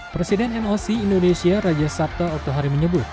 presiden noc indonesia raja sabta oktohari menyebut